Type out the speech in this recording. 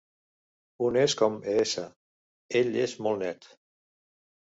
Un és com Eesa: ell és molt net.